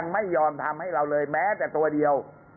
ไม่ยอมทำให้เราเลยแม้แต่ตัวเดียว